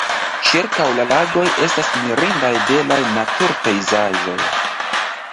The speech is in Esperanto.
Ĉirkaŭ la lagoj estas mirindaj belaj natur-pejzaĝoj.